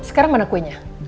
oke sekarang mana kuenya